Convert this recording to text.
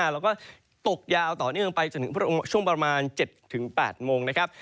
แล้วก็ตกยาวต่อเนื่องไปจนถึงช่วงประมาณ๗๘โมงนะครับ